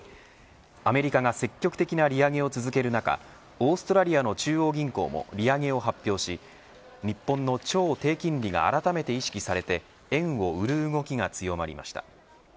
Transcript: アメリカが積極的な利上げを続ける中オーストラリアの中央銀行も利上げを発表し日本の超低金利があらためて意識されて円を売る動きが強まりました。